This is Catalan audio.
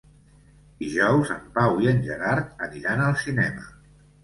Dijous en Pau i en Gerard aniran al cinema.